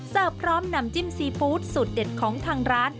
พร้อมนำจิ้มซีฟู้ดสูตรเด็ดของทางร้าน